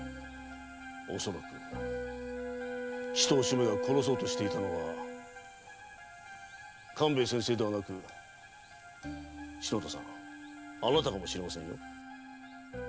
恐らく鬼頭主馬が殺そうとしていたのは勘兵衛先生ではなく篠田さんあなたかもしれませんよ。